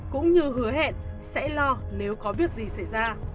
cũng như hứa hẹn sẽ lo nếu có việc gì xảy ra